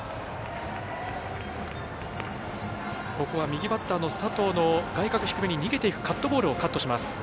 ここは右バッターの佐藤の外角低めに逃げていくカットボールをカットします。